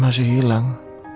dia kan masih hilang